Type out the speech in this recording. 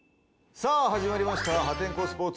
さぁ始まりました「破天荒スポーツ！